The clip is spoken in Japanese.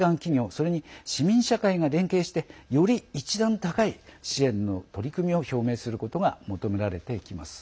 それに市民社会が連携してより一段高い支援の取り組みを表明することが求められていきます。